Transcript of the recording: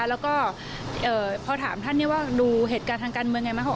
แล้วก็พอถามท่านว่าดูเหตุการณ์ทางการเมืองยังไงไหม